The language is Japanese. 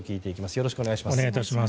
よろしくお願いします。